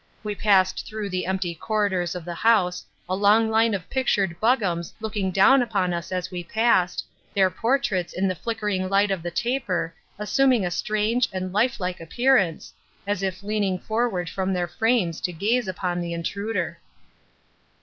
We passed through the empty corridors of the house, a long line of pictured Buggams looking upon us as we passed, their portraits in the flickering light of the taper assuming a strange and life like appearance, as if leaning forward from their frames to gaze upon the intruder.